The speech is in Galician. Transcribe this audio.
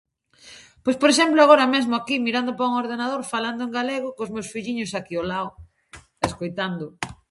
Pois, por exemplo, agora mesmo aquí, mirando pa un ordenador, falando en galego, cos meus filliños aquí ao lao, escoitando.